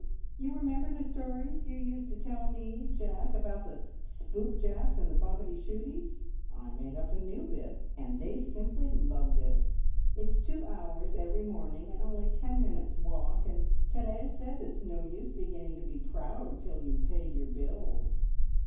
You remember the stories you used to tell me, Jack, about the Spoopjacks and the Bobityshooties? I made up a new bit, and they simply loved it. It's two hours every morning, and only ten minutes' walk, and Therese says it's no use beginning to be proud till you've paid your bills.